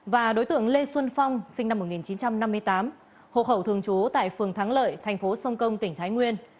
và đối tượng lê xuân phong sinh năm một nghìn chín trăm năm mươi tám hộ khẩu thường trú tại phường thắng lợi thành phố sông công tỉnh thái nguyên